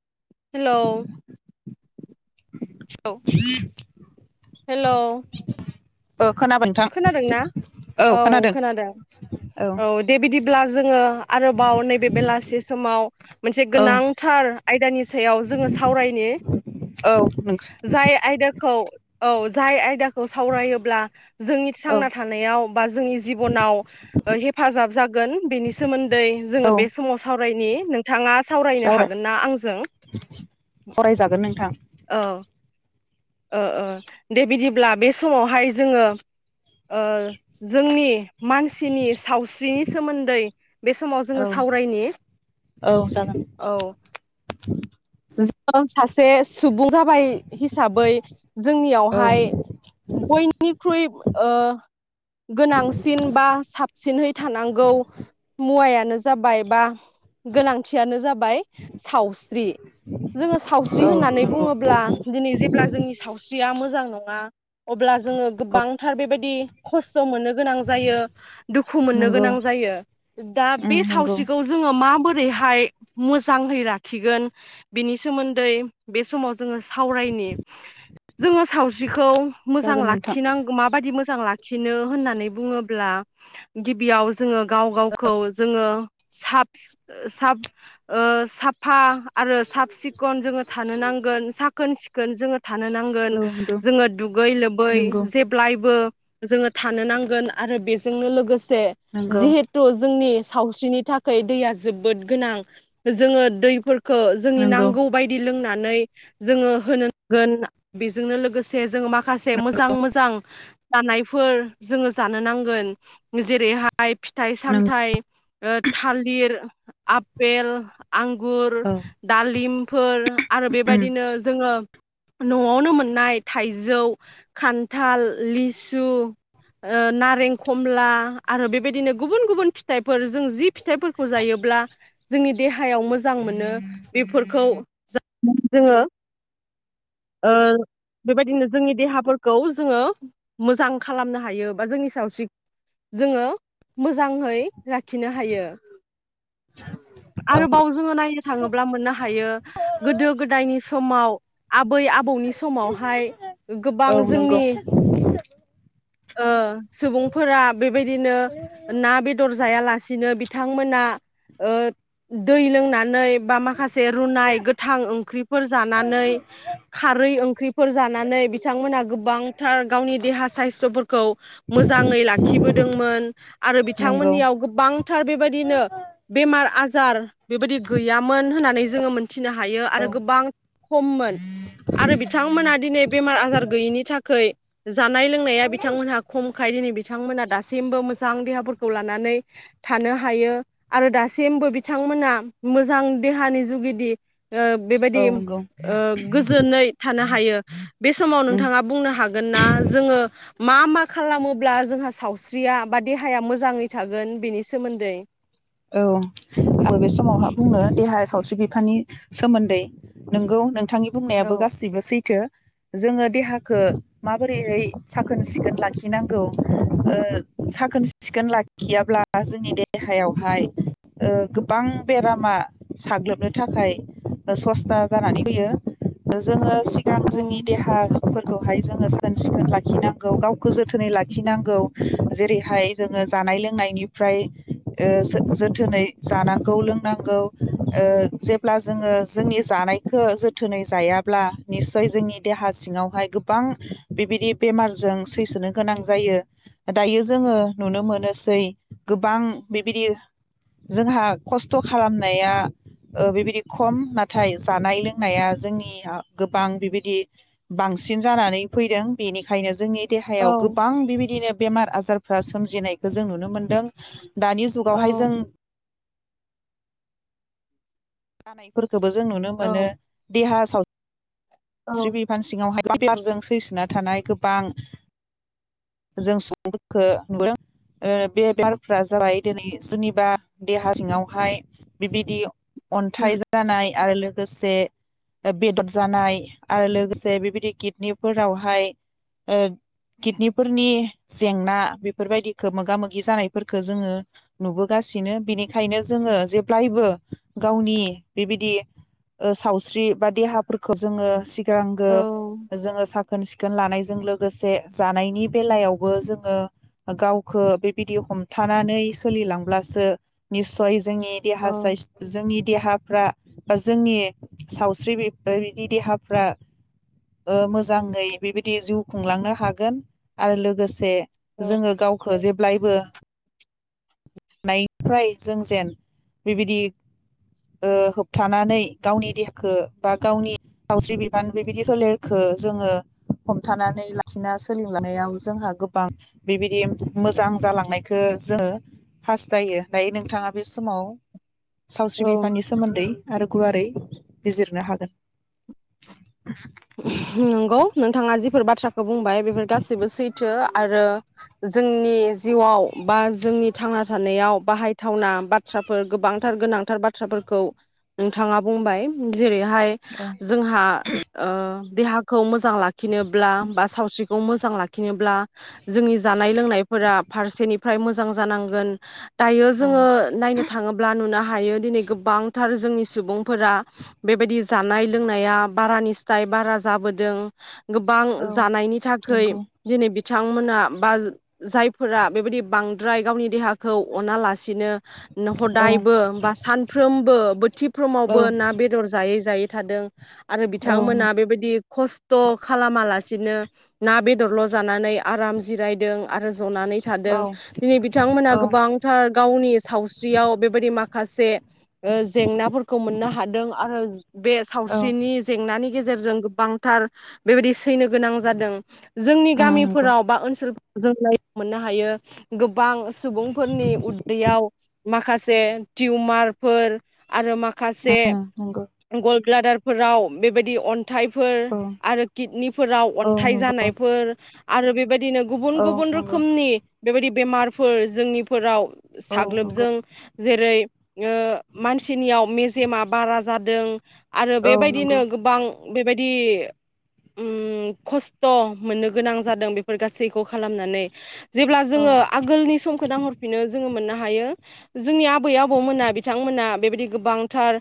हेल'। औ। हेलौ औ खोनाबाय खोनादोंना नोंथां औ खोनादों औ। ब्ला जोङो आरोबाव नैबे बेलासि समाव मोनसे औ गोनांथार आयदानि सायाव जोङो सावरायनो औ नोंस जाय आयदाखौ। औ औ जाय आयदाखौ सावरायोब्ला जोंनि औ थांना थानायाव बा जोंनि जिबनाव हेफाजाब जागोन बेनि सोमोन्दै औ जोङो बे समाव सावरायनि। बिथाङा सावरायनो सावराय हागोन ना आंजों? सावरायजागोन नोंथां औ ओ ओ दे बिदिब्ला बे समावहाय जोङो ओजोंनि मानसिनि सावस्रिनि सोमोन्दै बे समाव जोङो औ सावरायनि औ जागोन औ। [unintelligible] सासे सुबुं जाबाय साबै औ जोंनियावहाय बयनिख्रुइ ओ गोनांसिन बा साबसिनहै थानांगौ मुवा जाबाय बा गोनांथियानो जाबाय सावस्रि जोङो सावस्रि होननानै बुङोब्ला दिनै जे सावस्रिया मोजां नङा अब्ला जोङो औ गोबांथार बेबायदि खस थ मोननो गोनां जायो दुखु मोननो नंगौ औ नंगौ गोनां जायो दा बे उम नंगौ सावस्रिखौ जोङो माबोरैहाय मोज जांहै राखिगोन बिनि सोमोन्दै बे समाव जोङो सावरायनि जोङो सावस्रिखौ मोजां जागोन नोंथां लाखिनां माबायदि मोजां लाखिनो होननानै बुङोब्ला गिबियाव जोङो गाव गावखौ जोङो साफस साब ओ साफा आरो सााब सिख खन जोङो थानो नांगोन साखोन सि खोन जोङो थानो नांगोन औ नंगौ जोङो दुगै लोबै नंगौ जेब्लायबो जोङो थानो नांगोन आरो बेजोंनो लोगोस से नंगौ जिहेथु जोंनि सावस्रिनि थाखाय दैया जोबोद गोनां जोङो दैफोर खो जोंनि नंगौ नांगौ बायदि लोंना नै जोङो होनो गोन बेजोंनो लोगोसे जोङो मा खासे मोजां मोजां जानायफोर जोङो जानो नांगोन जेरैहाय फिथाइ नंगौ सामथाइ ओ थालिर आपेल आंगुर औ दालिमफोर आरो उम बेबायदिनो जोङो न'आवनो मोननाय थाइजौ खान्थाल लिसु ओ नारें खमला आरो बेबायदिनो गुबुन गुबुन फिथाइफोर जों जि फिथाइफोरखौ जायोब्ला जोंनि देहायाव मोजां मोनो बेफोरखौ जोङो ओ बेबायदिनो जोंनि देहाफोरखौ जोङो मोजां खालामनो हायो बा जोंनि सावस्रि जोङो मोजाङै राखिनो हायो औ आरोबाव जोङो नायनो थाङोब्ला मोननो हायो गोदो गोदायनि समाव बै आबौनि समावहाय गोबां औ नंगौ जोंनि ओ सुबुंफोरा बेबायदिनो ना बेदर जायालासिनो बिथांमोना ओ दै लोंनानै बा माखासे रुनाय गोथां ओंख्रि फोर जानानै खारै ओंख्रिफोर जानानै बिथांमोनहा गोबांथार गावनि देहा साइस्थ'फोरखौ मोजाङै लाखिबोदोंमोन आरो नंगौ बिथांमोननियाव गोबांथार बेबायदिनो बेमार आ जार बेबायदि गैयामोन होननानै जोङो मोन मिथिनो हायो आरो औ गोबां खममोन आरो बिथांमोना दिनै बेमार आजार गैयिनि थाखोय जानाय लोंनाया बिथांमोनहा खमखाय दिनै बिथांमोनहा दासिमबो मोजां देहाफोरखौ लानानै थानो हायो आरो दासिमबो बिथांमोना मोजां देहानि जुगिदि ओ औ बेबायदि नंगौ ओ जोनै था हायो बे समाव उम नोंथाङा बुंनो हागोन ना जोङो मा मा खालामोब्ला जोंहा सावस्रि स्रिया बा देहाया मोजाङै थागोन बेनि सोमोन्दै औ आंबो बे समावहाब बुंनो देहाया सावस्रि बिफाननि सोमोन्दै नोंगौ नों बिथांनि औ बुंनायाबो गासिबो सैथो जोङो देहाखौ माबोरैहै साखोन सिखोन लाखिनांगौ साखोन ओ सिखोन लाखियाब्ला जोंनि देहायाव हाय ओ गोबां बेरामा साग्लोबनो थाखाय सस्था जानानै फैयो जोङो सिगां उम जोंनि देहा फोरखौहाय जोङो साखोन सिखोन लाखिनांगौ गावखौ जोथोनै लाखिनांगौ जेरैहाय जोङो जानाय लोंनायनिफ्राय ओ जोथोनै जानांगौ लोंनांगौ ओ जेब्ला जोङो जोंनि जानायखो जोथोनै जायाब्ला निस्सय जोंनि देहा सिङावहाय गोबां बेबायदि बेमारजों सैसोनो गोनां जायो दायो जोङो नुनो मोनोसै गोबां बेबायदि जोंहा खस्थ' खालामनाया ओ बेबायदि खम नाथाय जानाय लोंनाया जोंनि गोबां बिबायदि बांसिन जानानै फैदों बेनिखायनो जोंनि औ देहायाव गोबां बेबायदिनो बेमार आजारफ्रा सोमजिनायखौ जों नुनो मोन दों दानि औ जुगावहाय जों [unintelligible] खौबो जों नुनो मोनो औ देहा औ [unintelligible] बिफान सिङावहाय बेमारजों सैसोना थानाय गोबां जों सुबुंफोरखो नुदों ओ बेमारफ्रा जाबाय दिनै निबा देहा सिङावहाय बिबायदि अन्थाइ जानाय आरो लोगोसे बेदर जानाय आरो लोगोसे बेबायदि किदनिफोरावहाय ओ किदनिफोरनि जेंना बेफोरबायदिखौ मोगा मोगि जानायफोरखौ जोङो नुबोगासिनो। बिनिखायनो जोङो जेब्लायबो गावनि बेबायदि सावस्रि बा देहाफोरखौ जोङो जोंगोन औ जोङो सा खोन सिखोन लानायजों लोगोसे जानायनि बेलायावबो जोङो गावखौ बेबायदि हमथानानै सोलिलांब्लासो निसय जोंनि देहा साइ औ जोंनि देहाफ्रा बा जोंनि सावस्रिदि देहाफ्रा ओ मोजाङै बेबायदि जिउ खुंलांनो हागोन आरो लोगोसे जोङो गावखौ जेब्लायबो फ्राय जों जेन बेबायदि ओ होबथानानै गावनि देहाखौ बा गावनि सावस्रि बिबान बेबायदि सोलेरखौ जोङो हमथानानै लाखिना सोलिलांनायाव जोंहा गोबां बेबायदि मोजां जालांनायखौ जोङो हास्थायो दायो नोंथाङा बे समाव सावस्रि औ बिफाननि सोमोन्दै आरो गुवारै बिजिरनो हागोन नंगौ नोंथाङा जिफोर बाथ्राखौ बुंबाय बेफोर गासैबो सैथो आरो जोंनि जिउआव बा जोंनि थांना थानायाव बाहायथावना बाथ्राफोर गोबांथार गोनांथार बाथ्राफोरखौ नोंथाङा बुंबाय जेरैहाय औ जोंहा ओ देहाखौ मो जां लाखिनोब्ला बा सावस्रिखौ मो मोजां लाखिनोब्ला जोंनि जानाय लोंनायफोरा फारसेनिफ्राय मोजां जानांगोन। दायो जोङो औ नायनो थाङोब्ला नुनो हायो दिनै गोबांथार जोंनि सुबुंफोरा बेबायदि जानाय लोंनाया बारानि साय बारा जाबोदों गोबां औ जानायनि थाखाय नंगौ दिनै बिथांमोना बा जायफोरा बेबायदि बांद्राय गावनि देहाखौ अना लासिनो न औ हदायबो बा सानफ्रोमबो औ बोथिफ्रोमावबो ना बेदर जायै जायै थादों बिथांमोना बेबायदि खस्थ' खालामालासिनो ना बेदरल' जानानै आराम जिरायदों आरो जनानै थादों औ दिनै बिथांमोना गोबांथार गावनि सावस्रियाव बेबायदि माखासे जेंनाफोरखौ मोननो हादों आरो बे औ सावस्रिनि नानि गेजेरजों गोबां थार बेबादि थैनो गोनां जादों जोंनि उम नंगौ गामिफोराव बा ओनसोल जोंनाय मोननो हायो गोबां गोबां सुबुंफोरनि उदैयाव माखासे टिउमारफोर आरो मा माखसे उम नंगौ गल ब्लादारफोराव बेबायदि अन। थाइफोर औ आरो किडनिफोराव औ अन्थाइ नंगौ जानायफोर। आरो बेबायदि। बिदिनो गुबुन औ -गुबुन नंगौ रोखोमनि। बेबायदि बेमारफोर जोंनिफोराव। औ नंगौ साग्लोबजोबो। जेरै मानसिनियाव मेजेमा बारा जादों। आरो औ नंगौ बेबायदिनो। गोबां बेबायदि खस्थ' ओम- मोननो गोनां जादों बेफोर गासैखौ खालामनानै। जेब्ला औ जोङो आगोलनि समखौ नाहरफिनो जोङो मोननो हायो। हायो जोंनि आबै -आबौमोना बिथांमोना बेबायदि गोबांथार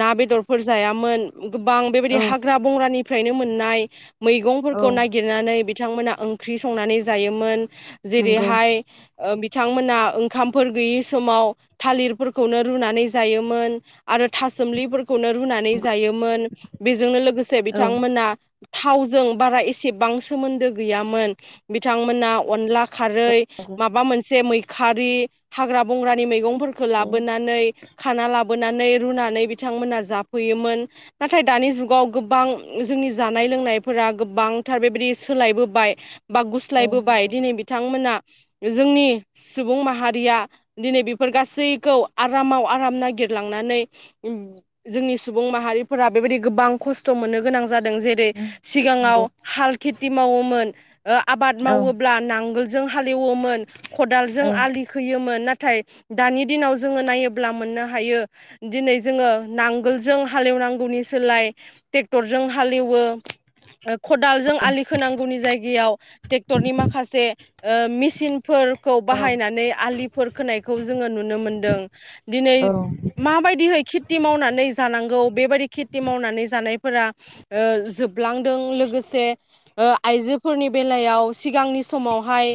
ना बेदरफोर जायामोन। गोबां बेबायदि औ हाग्रा बंग्रानि। फ्रायनो मोननाय। औ मैगंफोरखौ नागिरनानै बिथांमोना ओंख्रि संनानै जायोमोन। नंगौ जेरैहाय बिथांमोना। ओंखामफोर गैयि समाव थालिरफोरखौनो रुनानै जायोमोन आरो थासोमलिफोरखौनो रुनानै जायोमोन। मोन बेजोंनो लोगोसे औ बिथांमोना। थावजों बारा एसेबां सोमोन्दो गैयामोन बिथांमोना अनला। खारै नंगौ माबा मोनसे मै खारि हाग्रा -बंग्रानि मैगं। फोरखौ औ लाबोनानै खाना। बोनानै रुनानै बिथांमोना जाफैयोमोन। नाथाय दानि जुगाव गोबां जोंनि जानाय लोंनायफोरा गोबांथार बेबायदि सोलायबोबाय। बा औ गुस्लायबोबाय नंगौ दिनै बिथांमोना। जोंनि सुबुं माहारिया दिनै बेफोर गासैखौ आरामाव आराम नागिरलांनानै जोंनि सुबुं माहारि। फोरा बेबायदि गोबां खस्थ' मोननो गोनां। जादों जेरै उम सिगाङाव नंगौ हाल खेथि मावोमोन। आबाद औ मावोब्ला नांगोल। हालवोमोन खदालजों औ आलि खोनोयोन। नाथाय दानि दिनाव जोङो नायोब्ला मोननो हायो दिनै जोङो नांगोलजों हालेवनांगौ। नांगौनि सोलाय ट्रेक्टरजों हालेवो। खदालजों आलि खोनांगौ। नांगौनि जायगायाव। ट्रेक्टरनि माखासे मेसिनफोरखौ औ बाहायनानै आलिफोर खोनायखौ जोङो नुनो मोनदों दिनै औ माबायदिहै खेथि मावनानै जानांगौ बेबायदि खेथि मावनानै जानाय फोरा ओ जोबलां दैजों लोगोसे ओ आइजो फोरनि बेलायाव सिंगांनि समावहाय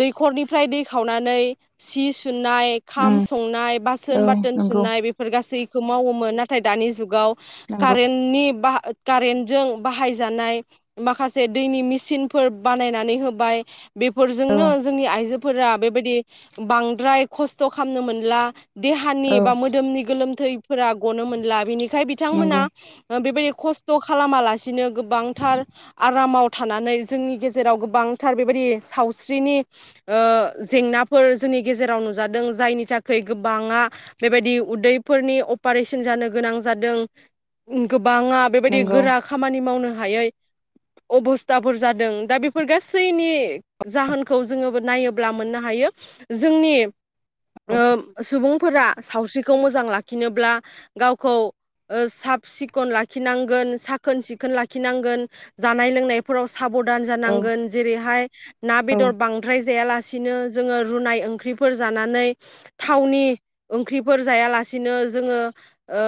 दैखरनिफ्राय दै खावनानै सि सुनानै सुनाय खाम उम संनाय औ बासोन बाथोन नंगौ सुनाय बेफोर गासै खौ मावोमोन नाथाय दानि जुगाव नंगौ कारेननि बाहा कारेन्टजों बाहायजानाय माखासे दैनि मेचिनफोर बानायनानै होबाय। औ बेफोरजोंनो जोंनि आइजो फोरा बेबायदि बांद्राय खस्थ खालामनो मोनला। देहानि औ एबा मोदोमनि गोलोमथै फोरा गनो मोनला बिनिखाय बि बिथांमोना नंगौ बेबायदि खस्थ खालामालासिनो गोबांथार आरामाव थानानै जोंनि गेजेराव गोबांथार बेबायदि सावस्रिनि ओ जेंनाफोर जोंनि गेजेराव नुजादों जायनि थाखाय गोबाङा बेबायदि उदैफोरनि अपारेशन जानो गोनां जादों। ओ गोब गोबांया बेबायदि नंगौ गोरा खामानि मावनो हहयै अबस्थाफोर जादों दा बेफोर गासैनि जाहोनखौ जोङो नायोब्ला मोननो हायो जोंनि ओ सुबुंफोरा सावस्रिखौ मोजां लाखिनोब्ला गावखौ ओ साब सिखोन लाखिनांगोन साखोन सिखोन लाखिनांगोन जानाय लोंनायफोराव साबधान औ जानांगोन जेरैहाय ना औ बेदर बांद्राय जायालासि बिदिनो जोङो रुनाय ओंख्रिफोर जानानै थावनि ओंख्रिफोर जायालासिनो जोङो ओ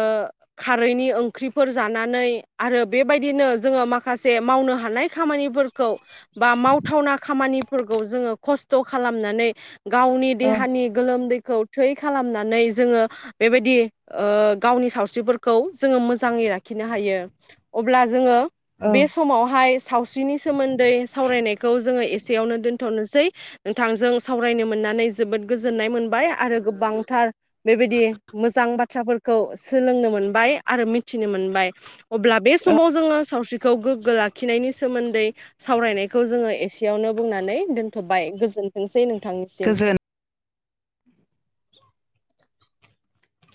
खारैनि ओंख्रिफोर जानानै आरो बेबायदिनो जोङो माखासे मावनो हानाय खामानिफोरखौ बा मावथावना खामानिफोरखौ जोङो खस्थ खालामनानै गावनि औ औ देहानि गोलोमदै खौ थै खालामनानै जोङो बेबायदि ओ गावनि सावस्रिफोरखौ खौ जोङो मोजाङै लाखिनो हायो अब्ला जोङो औ बे समावहाय सावस्रिनि सोमोन्दै सावरायनायखौ जोङो एसे बेयावनो दोनथनोसै नोंथांजों सावरायनो मोननानै जोबोद गोजोननाय मोनबाय आरो गोबांथार बेबायदि मोजां बाथ्राफोरखौ सोलोंनो मोन आरो मिथिनो मोनबाय अब्ला बे समाव जोङो सावस्रिखौ गोग्गो लाखिनायनि सोमोन्दै सावरायनायखौ जोङो एसेयावनो बुंनानै दोनथबाय गोजोनथोंसै नोंथां। बिथांनिसिम। गोजोन